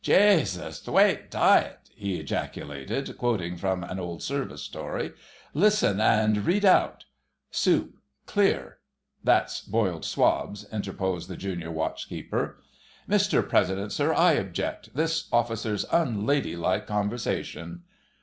"Jasus! Phwat diet!" he ejaculated, quoting from an old Service story. "Listen!" and read out— "Soup: Clear." "That's boiled swabs," interposed the Junior Watch keeper. "Mr President, sir, I object—this Officer's unladylike conversation."